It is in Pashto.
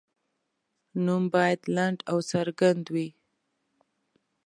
نوم باید لنډ او څرګند وي.